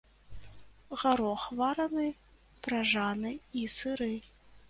Гарох вараны, пражаны і сыры.